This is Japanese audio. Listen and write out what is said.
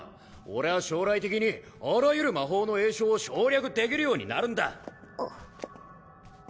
俺は将来的にあらゆる魔法の詠唱を省略できるようになるんだあっ